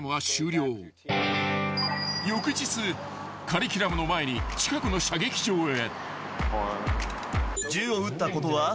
［翌日カリキュラムの前に近くの射撃場へ］